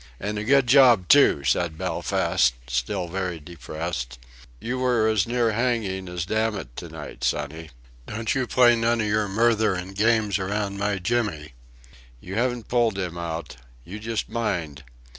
"And a good job, too!" said Belfast, still very depressed; "You were as near hanging as damn it to night, sonny. Don't you play any of your murthering games around my Jimmy! You haven't pulled him out. You just mind!